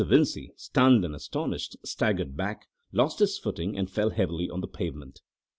Vincey, stunned and astonished, staggered back, lost his footing, and fell heavily on the pavement.